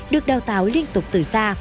được đào tạo liên tục từ xa